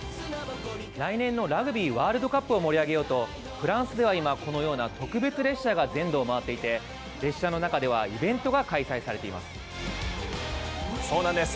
来年のラグビーワールドカップを盛り上げようと、フランスでは今、このような特別列車が全土を回っていて、列車の中ではイベントがそうなんです。